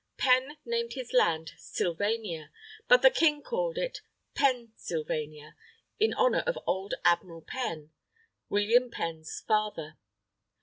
Penn named his land, "Sylvania"; but the King called it Penn sylvania, in honour of old Admiral Penn, William Penn's father.